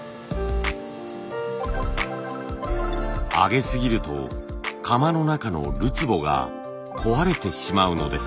上げすぎると窯の中のるつぼが壊れてしまうのです。